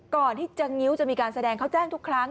ก่อนที่จะงิ้วจะมีการแสดงเขาแจ้งทุกครั้ง